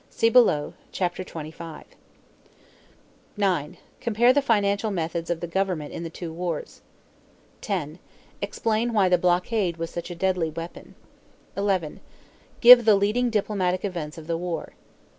(See below, chapter XXV.) 9. Compare the financial methods of the government in the two wars. 10. Explain why the blockade was such a deadly weapon. 11. Give the leading diplomatic events of the war.